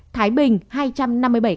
thái bình hai trăm năm mươi bảy ca